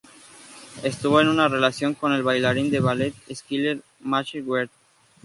Estuvo en una relación con el bailarín de ballet Skyler Maxey-Wert.